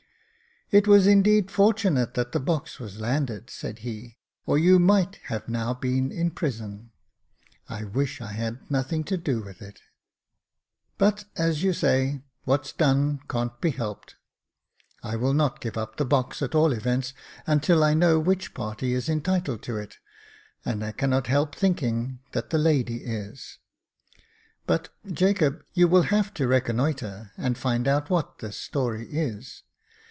" It was indeed fortunate that the box was landed," said he, *' or you might have now been in prison. I wish I had Jacob Faithful 303 had nothing to do with it ; but, as you say, ' what's done can't be helped.' I will not give up the box, at all events, until I know which party is entitled to it, and I cannot help thinking that the lady is. But, Jacob, you will have to reconnoitre, and find out what this story is.